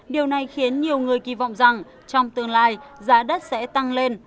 điều này khiến nhiều người kỳ vọng rằng trong tương lai giá đất sẽ tăng lên